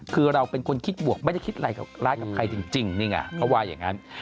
คือเราเป็นคนคิดบวกไม่ได้คิดอะไรร้ายกับใครจริงนี่ไงเขาว่าอย่างนั้น